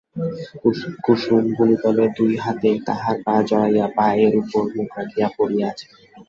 কুসুম ভূমিতলে দুই হাতে তাহার পা জড়াইয়া পায়ের উপর মুখ রাখিয়া পড়িয়া আছে।